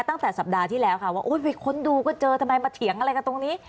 ตั้งแต่สัปดาห์ที่แล้วค่ะว่าไปค้นดูก็เจอทำไมมาเถียงอะไรกันตรงนี้